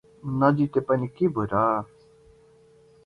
नजिते पनि के भो र!